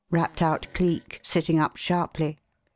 rapped out Cleek, sitting up sharply.